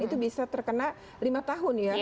itu bisa terkena lima tahun ya